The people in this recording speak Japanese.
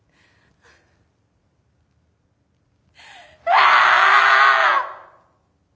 ああ！